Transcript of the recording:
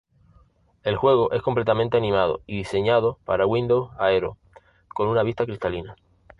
El juego es completamente animado y diseñado para Windows Aero con una vista cristalina.